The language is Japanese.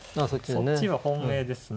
そっちは本命ですね。